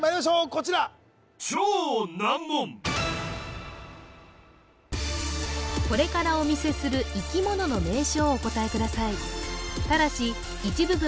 こちらこれからお見せする生き物の名称をお答えください